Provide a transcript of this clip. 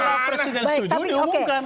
kalau presiden setuju diumumkan